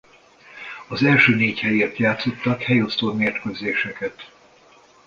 Az első négy helyért játszottak helyosztó mérkőzéseket.